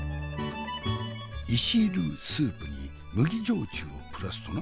いしるスープに麦焼酎をプラスとな？